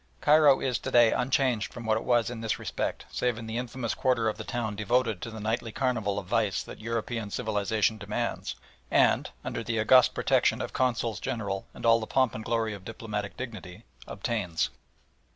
Cairo is to day unchanged from what it was in this respect save in the infamous quarter of the town devoted to the nightly carnival of vice that European civilisation demands, and, under the august protection of Consuls General and all the pomp and glory of diplomatic dignity, obtains.